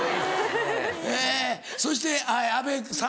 えそして安部さん。